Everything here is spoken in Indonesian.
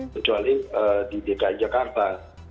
kecuali di dki jakarta